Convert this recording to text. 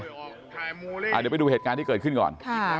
เดี๋ยวไปดูเหตุการณ์ที่เกิดขึ้นก่อน